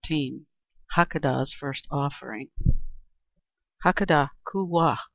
VI HAKADAH'S FIRST OFFERING "Hakadah, coowah!"